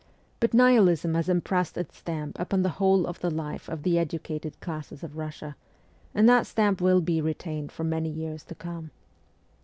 But Nihilism has impressed its stamp upon the whole of the life of the educated classes of Eussia, and that stamp will be retained for many years to come.